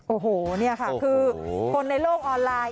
โอ้โหนี่ค่ะคือคนในโลกออนไลน์